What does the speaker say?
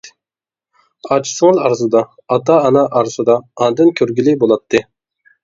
ئاچا-سىڭىل ئارىسىدا، ئاتا-ئانا ئارىسىدا ئاندىن كۆرگىلى بولاتتى.